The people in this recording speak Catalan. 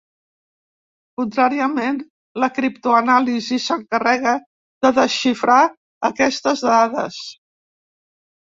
Contràriament, la criptoanàlisi s'encarrega de desxifrar aquestes dades.